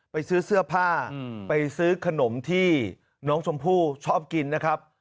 ไปซื้อเสื้อผ้าไปซื้อขนมที่น้องชมพู่ชอบกินนะครับ